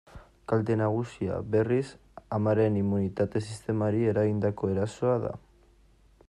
Kalte nagusia, berriz, amaren immunitate-sistemari egindako erasoa da.